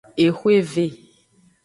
Exweve.